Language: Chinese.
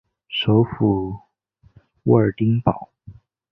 首府沃尔丁堡。